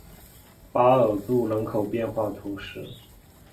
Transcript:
巴尔杜人口变化图示